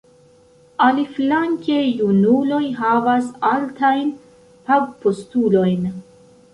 Aliflanke, junuloj havas altajn pagpostulojn.